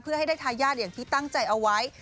เพื่อให้ได้ทายาทอย่างที่ตั้งใจเอาไว้